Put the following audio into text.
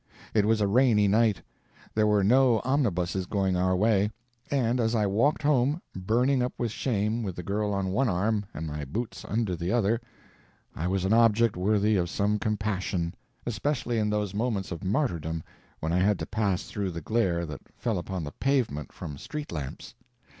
It was a rainy night; there were no omnibuses going our way; and as I walked home, burning up with shame, with the girl on one arm and my boots under the other, I was an object worthy of some compassion especially in those moments of martyrdom when I had to pass through the glare that fell upon the pavement from street lamps.